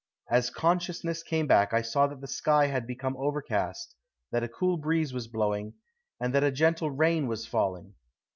As consciousness came back I saw that the sky had become overcast; that a cool breeze was blowing, and that a gentle rain was falling.